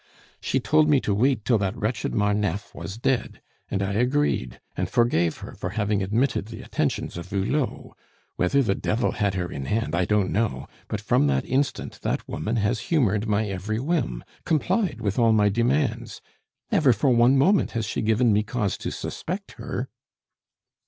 "She told me to wait till that wretched Marneffe was dead; and I agreed, and forgave her for having admitted the attentions of Hulot. Whether the devil had her in hand I don't know, but from that instant that woman has humored my every whim, complied with all my demands never for one moment has she given me cause to suspect her!